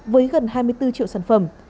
với gần hai mươi bốn triệu sản phẩm